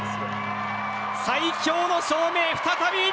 最強の証明、再び！